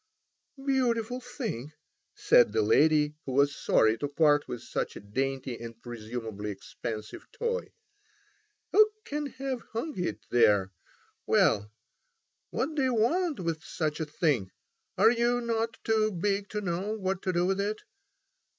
"Beautiful thing!" said the lady, who was sorry to part with such a dainty and presumably expensive toy. "Who can have hung it there? Well, what do you want with such a thing? Are you not too big to know what to do with it?